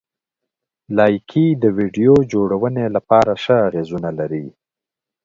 لایکي د ویډیو جوړونې لپاره ښه اغېزونه لري.